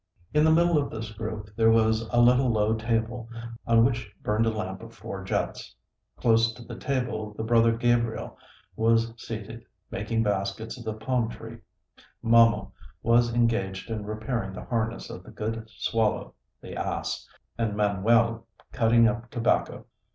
In the middle of this group there was a little low table, on which burned a lamp of four jets; close to the table the Brother Gabriel was seated, making baskets of the palm tree; Momo was engaged in repairing the harness of the good "Swallow" (the ass); and Manuel, cutting up tobacco.